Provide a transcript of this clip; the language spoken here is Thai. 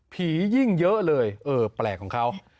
ยิ่งเยอะเลยเออแปลกของเขา